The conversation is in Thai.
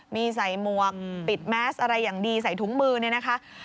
มีใส่หมวกปิดแมสอะไรอย่างดีใส่ถุงมือเนี่ยนะคะ